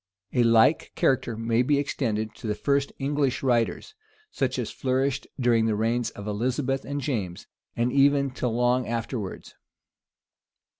A like character may be extended to the first English writers; such as flourished during the reigns of Elizabeth and James, and even till long afterwards.